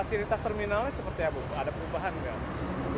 kalau fasilitas terminalnya seperti apa ada perubahan nggak